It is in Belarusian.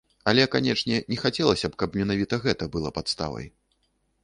Але, канечне, не хацелася б, каб менавіта гэта была падставай.